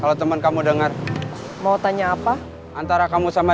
dalam bidang puluh ada hubungan untuk dua